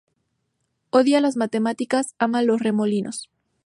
Odia las matemáticas ama los remolinos.